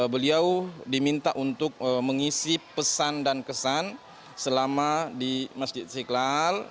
beliau diminta untuk mengisi pesan dan kesan selama di masjid istiqlal